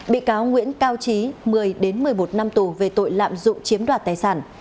bị cáo nguyễn cao trí một mươi đến một mươi một năm tù về tội lạm dụng chiếm đoạt tài sản